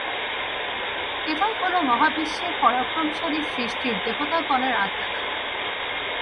এটাই হলো মহাবিশ্বের পরাক্রমশালী সৃষ্টির দেবতাগণের আড্ডাখানা।